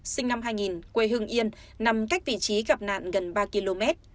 sinh năm hai nghìn quê hương yên nằm cách vị trí gặp nạn gần ba km